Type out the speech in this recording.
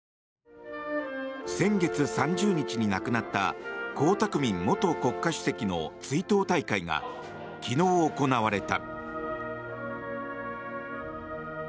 先月３０日に亡くなった江沢民元国家主席の追悼大会が昨日、行われた。